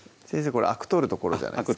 これあく取るところじゃないですか？